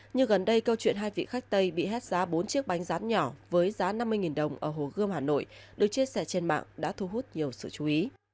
nhưng gần đây câu chuyện hai vị khách tây bị hết giá bốn chiếc bánh rán nhỏ với giá năm mươi đồng ở hồ gươm hà nội được chia sẻ trên mạng đã thu hút nhiều sự chú ý